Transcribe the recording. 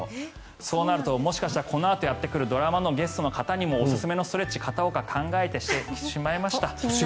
そうなるともしかしたらこのあとやってくるドラマのゲストの方にもおすすめのストレッチ片岡、考えてしまいました。